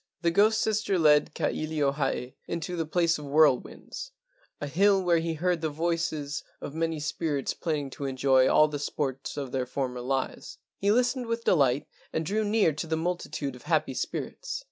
The ghost sister led Ka ilio hae into the place of whirlwinds, a hill where he heard the voices 102 LEGENDS OF GHOSTS of many spirits planning to enjoy all the sports of their former life. He listened with delight and drew near to the multitude of happy spirits.